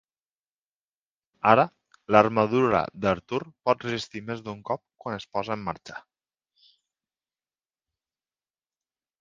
Ara, l'armadura d'Arthur pot resistir més d'un cop quan es posa en marxa.